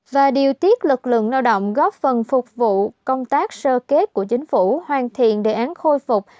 và điều tiết lực lượng lao động góp phần phục vụ công tác sơ kết của chính phủ hoàn thiện đề án khôi phục